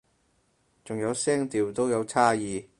仲有聲調都有差異